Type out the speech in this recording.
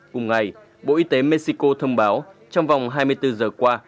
cùng ngày bộ y tế mexico thông báo trong vòng hai mươi bốn giờ qua